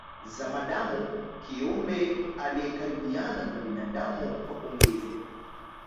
Zamadamu kiumbe aliyekaribiana na binadamu kwa umbile